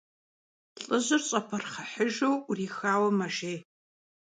Лӏыжьыр щӀэпырхъыхьыжу Ӏурихауэ мэжей.